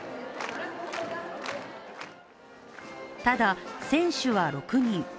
ただ、選手は６人。